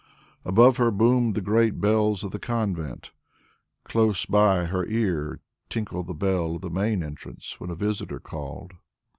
Above her boomed the great bells of the convent, close by her ear tinkled the bell of the main entrance when a visitor called.